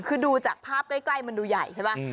คือดูจากภาพใกล้มันดูใหญ่ใช่ไหม